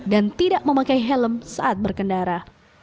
dan tidak memakai helm saat berkendara